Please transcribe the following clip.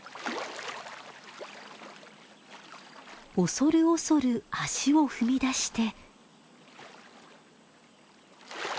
恐る恐る足を踏み出して。